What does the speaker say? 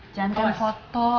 jangan tanya foto